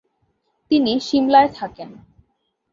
তিনি সিমলায় থাকেন।